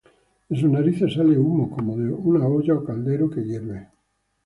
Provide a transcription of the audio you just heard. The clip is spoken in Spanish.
De sus narices sale humo, Como de una olla ó caldero que hierve.